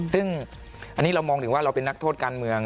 ซึ่งอันนี้เรามองถึงว่าเราเป็นนักโทษการเมือง